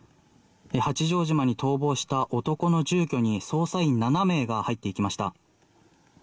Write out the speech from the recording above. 八丈島に逃亡した男の住居に捜査員７名が入っていきました。